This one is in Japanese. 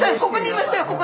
ここにいましたよ